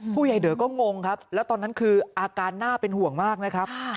ใหญ่เดอก็งงครับแล้วตอนนั้นคืออาการน่าเป็นห่วงมากนะครับ